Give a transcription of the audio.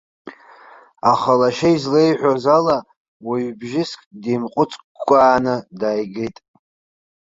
Аха лашьа излеиҳәоз ала уаҩ бжьыск димҟәыҵкәкәааны дааигеит.